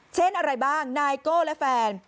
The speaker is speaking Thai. เช่นอะไรบ้างนายโก้และแฟน